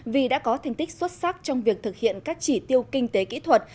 vì đã có thành tích xuất sắc trong việc thực hiện các chỉ tiêu kinh tế kỹ thuật